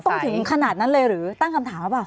ถึงขนาดนั้นเลยหรือตั้งคำถามหรือเปล่า